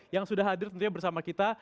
yang sudah hadir tentunya bersama kita